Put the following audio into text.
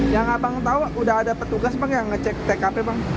yang abang tahu udah ada petugas bang yang ngecek tkp bang